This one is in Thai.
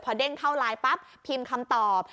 เด้งเข้าไลน์ปั๊บพิมพ์คำตอบ